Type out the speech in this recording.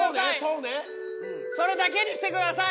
それだけにしてください！